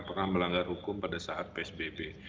pernah melanggar hukum pada saat psbb